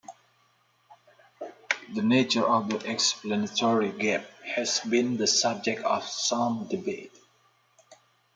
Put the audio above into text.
The nature of the explanatory gap has been the subject of some debate.